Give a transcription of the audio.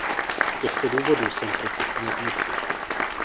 Z těchto důvodů jsem proti směrnici.